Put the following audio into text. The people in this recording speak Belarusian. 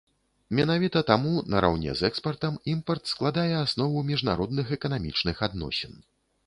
Менавіта таму, нараўне з экспартам, імпарт складае аснову міжнародных эканамічных адносін.